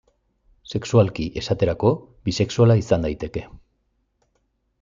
Sexualki, esaterako, bisexuala izan daiteke.